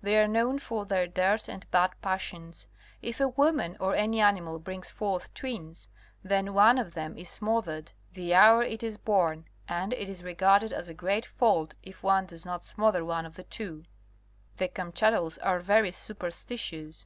They are known for their dirt and bad passions, If a woman or any animal brings forth twins then one of them is smothered, the hour it is born, and it is regarded as a great fault if one does not smother one of the two. The Kamchadales are very superstitious.